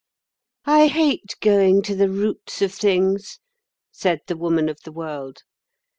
"I hate going to the roots of things," said the Woman of the World.